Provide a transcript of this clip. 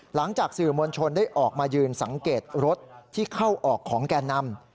หลังจากสื่อมวลชนได้ออกมายืนสังเกตรถที่เข้าออกของแก่นำ